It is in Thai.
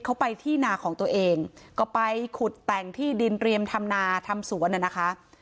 เขาไปที่นาของตัวเองก็ไปขุดแต่งที่ดินเตรียมทำนาทำสวนน่ะนะคะ